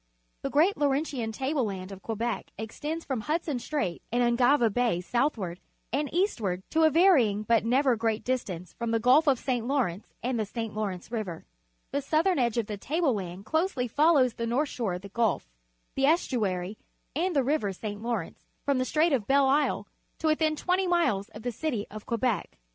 The great Laurentian table land of Quebec_ extends from Hudson Strait and Ungava Bay southward and eastward to a varying but never great distance from the Gulf of St. Lawrence and the St. Lawrence River. The_ QUEBEC 91 southern edge of the table land closely follows the north shore of the Gulf, the estuary, and the River St. Lawrence from the Strait of Belle Isle to within twenty miles of the city of Quebec.